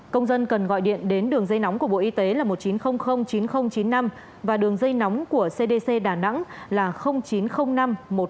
công dân cần gọi điện đến đường dây nóng của bộ y tế là một chín không không chín không chín năm và đường dây nóng của cdc đà nẵng là chín không năm một không tám tám bốn bốn